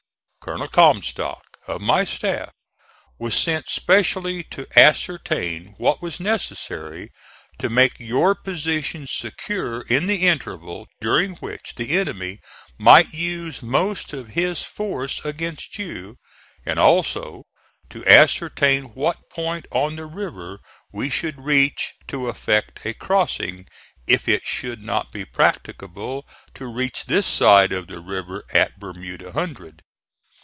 Col. Comstock, of my staff, was sent specially to ascertain what was necessary to make your position secure in the interval during which the enemy might use most of his force against you, and also, to ascertain what point on the river we should reach to effect a crossing if it should not be practicable to reach this side of the river at Bermuda Hundred.